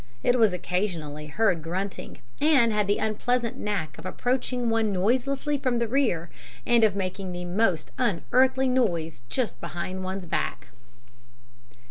It was occasionally heard grunting, and had the unpleasant knack of approaching one noiselessly from the rear, and of making the most unearthly noise just behind one's back.